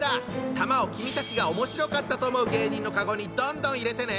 玉を君たちがおもしろかったと思う芸人のカゴにどんどん入れてね！